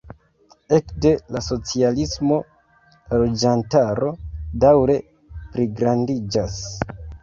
Ekde la socialismo la loĝantaro daŭre pligrandiĝas.